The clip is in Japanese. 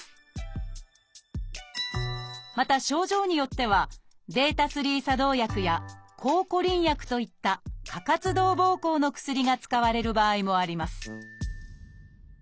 また症状によってはβ作動薬や抗コリン薬といった過活動ぼうこうの薬が使われる場合もあります